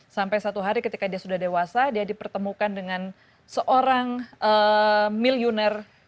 sampai satu hari ketika dia sudah dewasa dia dipertemukan dengan seorang milioner